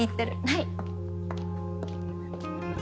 はい。